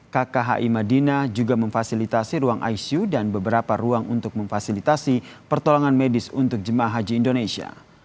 kkhi madinah juga memfasilitasi ruang icu dan beberapa ruang untuk memfasilitasi pertolongan medis untuk jemaah haji indonesia